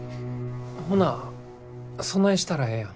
ほなそないしたらええやん。